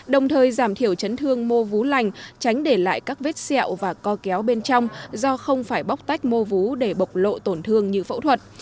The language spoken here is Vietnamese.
đồng thời giảm thiểu chấn thương mô vú lành tránh để lại các vết xẹo và co kéo bên trong do không phải bóc tách mô vú để bộc lộ tổn thương như phẫu thuật